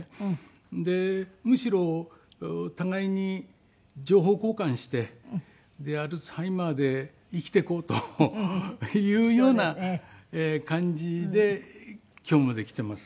でむしろ互いに情報交換してアルツハイマーで生きていこうというような感じで今日まで来ています。